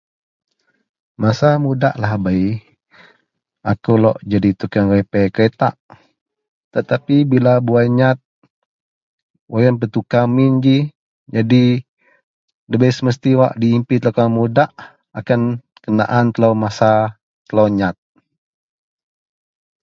Masa mudak lahabei, akou lok jadi tukeang repea keritak tetapi bila bawai nyat wak yen petukar min ji. Jadi ndabei semesti ji wak diimpi telou kuman mudak akan kenaan telou masa telou nyat.